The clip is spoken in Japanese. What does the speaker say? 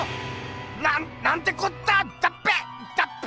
なんなんてこっただっぺだっぺ！